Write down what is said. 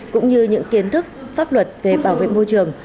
cũng như những kiến thức pháp luật về bảo vệ môi trường